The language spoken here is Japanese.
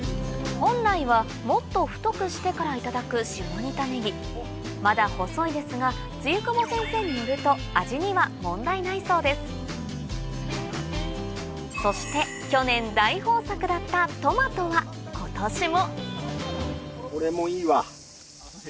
本来はもっと太くしてからいただく下仁田ネギまだ細いですが露久保先生によるとそして去年大豊作だったトマトは今年もこれもいいわ。